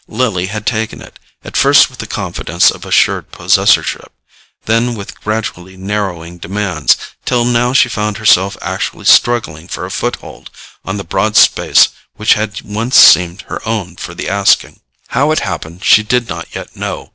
Lily had taken it, at first with the confidence of assured possessorship, then with gradually narrowing demands, till now she found herself actually struggling for a foothold on the broad space which had once seemed her own for the asking. How it happened she did not yet know.